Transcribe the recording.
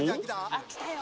「あっ来たよ」